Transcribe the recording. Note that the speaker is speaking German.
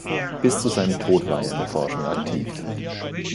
Bis zu seinem Tod war er in der Forschung aktiv.